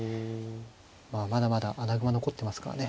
まあまだまだ穴熊残ってますからね。